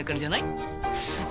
すご！